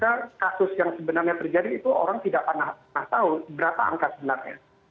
karena kasus yang sebenarnya terjadi itu orang tidak pernah tahu berapa angka sebenarnya